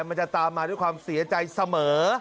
มันจะตามมาด้วยความเสียใจเสมอ